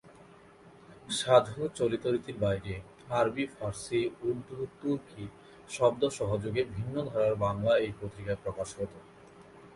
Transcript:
সাধু-চলিত রীতির বাইরে আরবি-ফার্সি-উর্দু-তুর্কি শব্দ সহযোগে ভিন্ন ধারার বাংলা এই পত্রিকায় প্রকাশ হত।